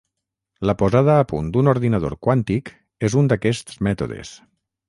La posada a punt d'un ordinador quàntic és un d'aquests mètodes.